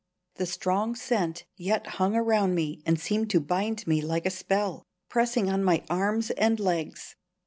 The strong scent yet hung around me and seemed to bind me like a spell, pressing on my arms and logs.